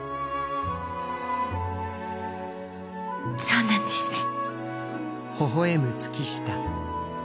そうなんですね。